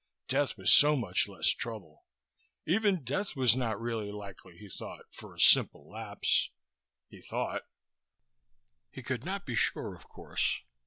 Death was so much less trouble. Even death was not really likely, he thought, for a simple lapse. He thought. He could not be sure, of course.